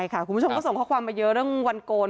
คุณผู้ชมก็ส่งข้อความมาเยอะเรื่องวันโกน